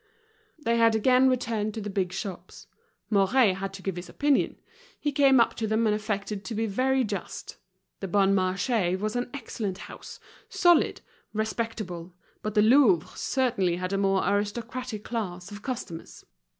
They had again returned to the big shops. Mouret had to give his opinion; he came up to them and affected to be very just. The Bon Marché was an excellent house, solid, respectable; but the Louvre certainly had a more aristocratic class of customers.